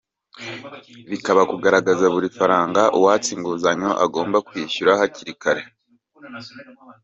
Bikaba kugaragaza buri faranga uwatse inguzanyo agomba kwishyura hakiri kare